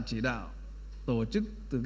chỉ đạo tổ chức